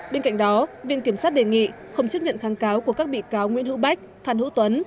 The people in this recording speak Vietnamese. bên cạnh đó viện kiểm sát đề nghị không chấp nhận kháng cáo của các bị cáo nguyễn hữu bách phan hữu tuấn